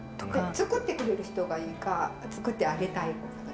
作ってくれる人がいいか作ってあげたいどっちですか？